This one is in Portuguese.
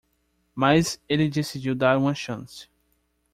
Mas ele decidiu dar uma chance.